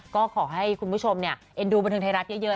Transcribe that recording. ก็ขอให้คุณผู้ชมเนี่ยเอ็นดูบรรเทิงไทยรัฐเยอะแล้วกัน